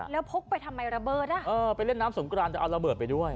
แล้วพกไปทำไมระเบิดอ่ะเออไปเล่นน้ำสงกรานจะเอาระเบิดไปด้วย